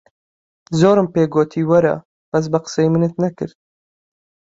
زۆرم پێ گۆتی وەرە، بەس بە قسەی منت نەکرد.